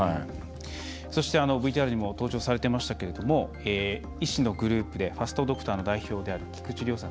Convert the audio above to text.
そして、ＶＴＲにも登場されてましたけれども医師のグループでファストドクターの代表である菊池亮さん。